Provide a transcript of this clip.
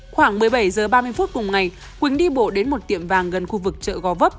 khoảng một mươi bảy h ba mươi phút cùng ngày quỳnh đi bộ đến một tiệm vàng gần khu vực chợ gò vấp